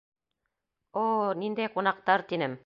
— О-о-о, ниндәй ҡунаҡтар! — тинем.